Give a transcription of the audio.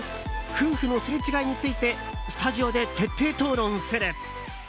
夫婦のスレ違いについてスタジオで徹底討論する。